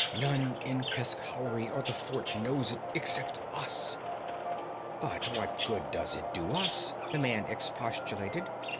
None in Peshkhauri or the fort knows it except us.' 'But what good does it do us?' the man expostulated.